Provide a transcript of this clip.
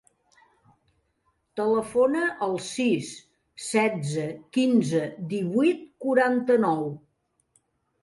Telefona al sis, setze, quinze, divuit, quaranta-nou.